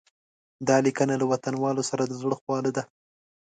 دا لیکنه له وطنوالو سره د زړه خواله ده.